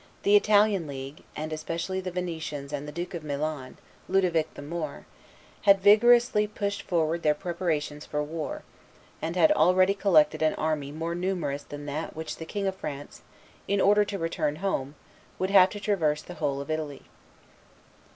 the Italian league, and especially the Venetians and the Duke of Milan, Ludovic the Moor, had vigorously pushed forward their preparations for war, and had already collected an army more numerous than that with which the King of France, in order to return home, would have to traverse the whole of Italy.